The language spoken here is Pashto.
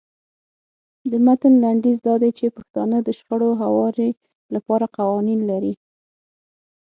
د متن لنډیز دا دی چې پښتانه د شخړو هواري لپاره قوانین لري.